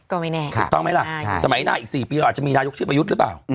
ก็ไม่แน่ถูกต้องไหมล่ะสมัยหน้าอีก๔ปีเราอาจจะมีนายกชื่อประยุทธ์หรือเปล่า